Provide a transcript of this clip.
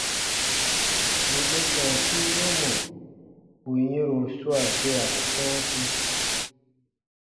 Wì u sɔ̃ɔsiru mɔ̀ ù yɛ̃ro swaa gea sɔ̃ɔsi.